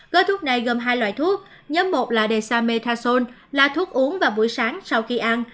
gói thuốc này gồm hai loại thuốc nhóm một là desa metason là thuốc uống vào buổi sáng sau khi ăn